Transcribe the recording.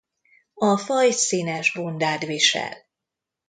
A faj színes bundát visel.